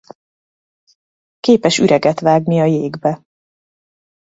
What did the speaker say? Képes üreget vágni a jégbe.